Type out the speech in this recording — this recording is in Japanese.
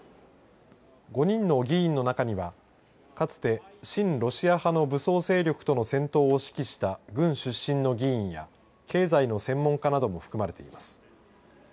５人の議員の中にはかつて親ロシア派の武装勢力との戦闘を指揮した軍出身の議員や経済の専門家なども含まれています。